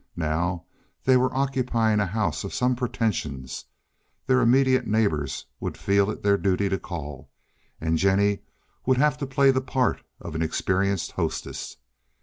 Now they were occupying a house of some pretensions; their immediate neighbors would feel it their duty to call, and Jennie would have to play the part of an experienced hostess.